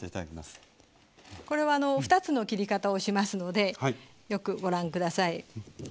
これは２つの切り方をしますのでよくご覧下さい。